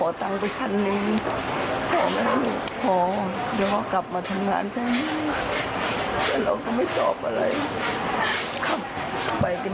เดี๋ยวได้ตู้เธอขึ้น